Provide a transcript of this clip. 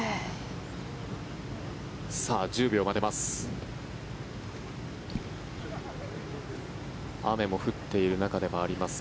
１０秒待てます。